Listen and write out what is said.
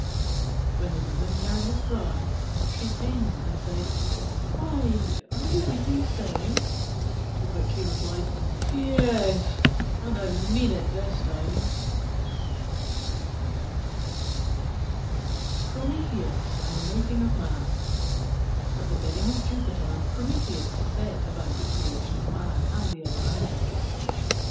When the Woman heard his cries, she came and said, "Why, are you weeping still?" To which he replied, "Yes, and I mean it this time." PROMETHEUS AND THE MAKING OF MAN At the bidding of Jupiter, Prometheus set about the creation of Man and the other animals.